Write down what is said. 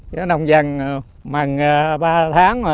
nó nồng dần mằng ba tháng